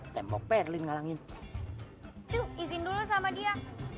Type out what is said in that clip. tembok berlindung angin in dulu sama dia